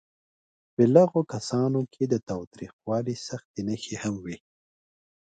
بالغو کسانو کې د تاوتریخوالي سختې نښې هم وې.